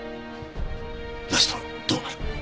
ラストはどうなる？